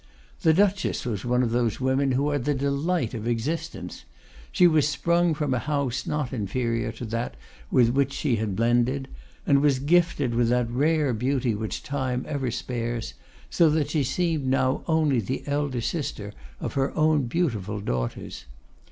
The Duchess was one of those women who are the delight of existence. She was sprung from a house not inferior to that with which she had blended, and was gifted with that rare beauty which time ever spares, so that she seemed now only the elder sister of her own beautiful daughters.